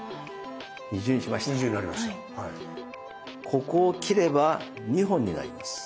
ここを切れば２本になります。